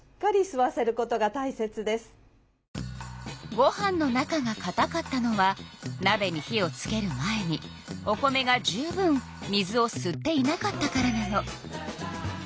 ご飯の中がかたかったのはなべに火をつける前にお米が十分水をすっていなかったからなの。